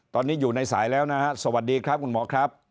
ตอนนี้อยู่ในสายแล้วนะฮะสวัสดีครับคุณหมอครับ